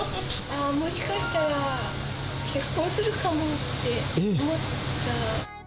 もしかしたら結婚するかもって思った。